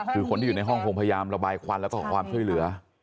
คือคนที่อยู่ในห้องคงพยายามระบายควันแล้วก็ขอความช่วยเหลือ